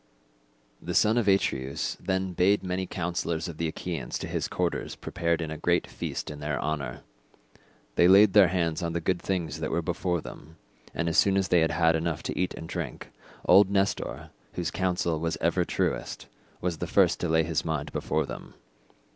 The son of Atreus then bade many councillors of the Achaeans to his quarters and prepared a great feast in their honour. They laid their hands on the good things that were before them, and as soon as they had enough to eat and drink, old Nestor, whose counsel was ever truest, was the first to lay his mind before them.